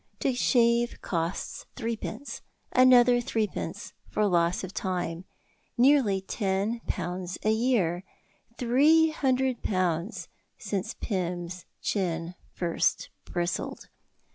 To shave costs threepence, another threepence for loss of time nearly ten pounds a year, three hundred pounds since Pym's chin first bristled.